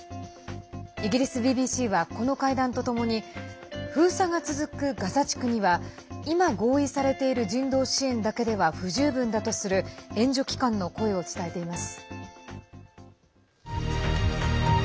イギリスＢＢＣはこの会談とともに封鎖が続くガザ地区には今、合意されている人道支援だけでは不十分だとする援助機関の声を伝えています。